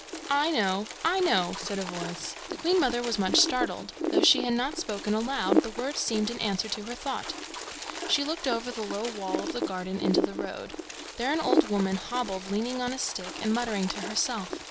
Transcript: "I know! I know!" said a voice. The Queen mother was much startled; though she had not spoken aloud, the words seemed an answer to her thought. She looked over the low wall of the garden into the road. There an old woman hobbled, leaning on a stick, and muttering to herself.